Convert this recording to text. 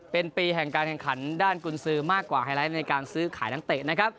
เป็นปีแห่งการแข่งขันด้านกุญสือมากกว่าไฮไลท์ในการซื้อขายนักเตะนะครับ